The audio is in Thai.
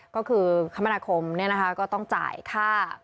ก็คือคมนาคมเนี่ยนะคะก็ต้องจ่ายค่า